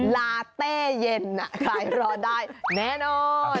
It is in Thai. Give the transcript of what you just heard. ลาเต้เย็นคลายร้อนได้แน่นอน